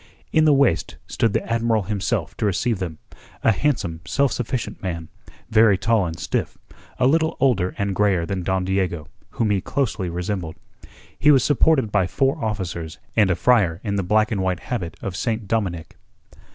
In the waist stood the Admiral himself to receive them, a handsome, self sufficient man, very tall and stiff, a little older and greyer than Don Diego, whom he closely resembled. He was supported by four officers and a friar in the black and white habit of St. Dominic.